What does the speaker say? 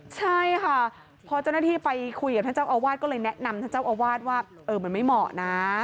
ใช่ค่ะพอเจ้าหน้าที่ไปคุยกับท่านเจ้าอาวาสก็เลยแนะนำท่านเจ้าอาวาสว่ามันไม่เหมาะนะ